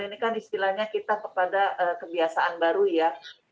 ini kan istilahnya kita kepada kebiasaan baru ya